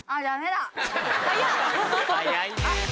・早いね。